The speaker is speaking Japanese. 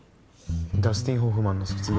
ダスティン・ホフマンの『卒業』。